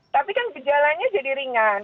tapi kan gejalanya jadi ringan